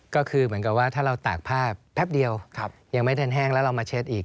ก็คือเหมือนกับว่าถ้าเราตากผ้าแป๊บเดียวยังไม่ทันแห้งแล้วเรามาเช็ดอีก